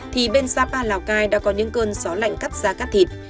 thì bên sapa lào cai đã có những cơn gió lạnh cắt ra cát thịt